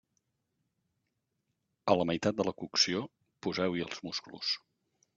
A la meitat de la cocció poseu-hi els musclos.